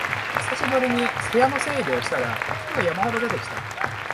久しぶりに部屋の整理をしたら服が山ほど出てきた